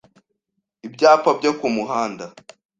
Ibyapa byo ku muhanda,